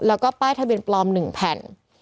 แล้วก็ป้ายทะเบียนปลอม๑แผ่น